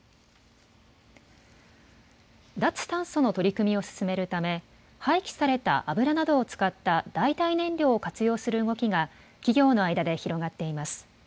脱炭素の取り組みを進めるため廃棄された油などを使った代替燃料を活用する動きが企業の間で広がっています。